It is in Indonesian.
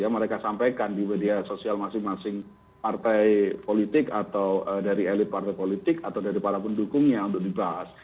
mereka sampaikan di media sosial masing masing partai politik atau dari elit partai politik atau dari para pendukungnya untuk dibahas